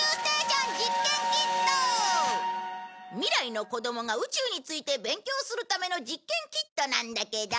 未来の子供が宇宙について勉強するための実験キットなんだけど。